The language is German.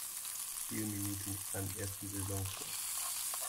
Spielminute mit seinem ersten Saisontor.